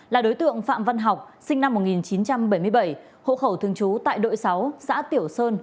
là đối tượng phạm văn học sinh năm một nghìn chín trăm bảy mươi bảy hộ khẩu thường trú tại đội sáu xã tiểu sơn